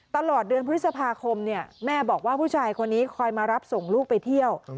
ตลอดเดือนปริศาภาคมแม่บอกว่าพุชายครับคนนี้คอยมารับส่งลูกไปเที่ยว